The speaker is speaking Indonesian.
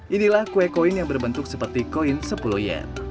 inilah kue koin yang berbentuk seperti koin sepuluh yet